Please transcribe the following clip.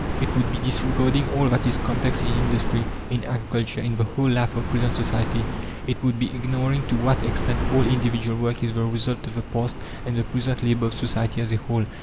It would be disregarding all that is complex in industry, in agriculture, in the whole life of present society; it would be ignoring to what extent all individual work is the result of the past and the present labour of society as a whole.